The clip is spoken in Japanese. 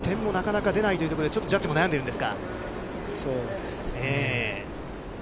そして点もなかなかでないというところで、ジャッジも悩んでいるそうですね。